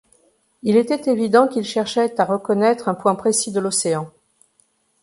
Il était évident qu’il cherchait à reconnaître un point précis de l’Océan.